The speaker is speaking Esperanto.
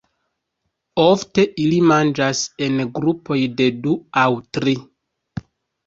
Ofte ili manĝas en grupoj de du aŭ tri.